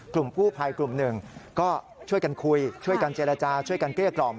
กลุ่มกู้ภัยกลุ่มหนึ่งก็ช่วยกันคุยช่วยกันเจรจาช่วยกันเกลี้ยกล่อม